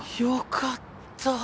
よかった。